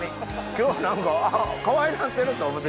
今日は何かかわいなってると思っててん。